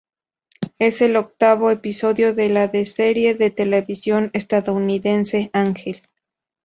Es el octavo episodio de la de la serie de televisión estadounidense Ángel.